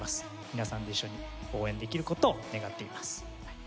皆さんと一緒に応援できる事を願っています。